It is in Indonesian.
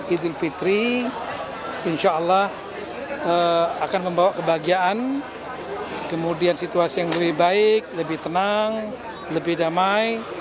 idul fitri insya allah akan membawa kebahagiaan kemudian situasi yang lebih baik lebih tenang lebih damai